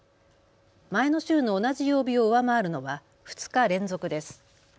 前の週の同じ曜日を上回るのは２日連続です。